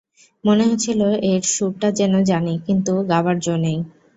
মনে হচ্ছিল এর সুরটা যেন জানি, কিন্তু গাবার জো নেই!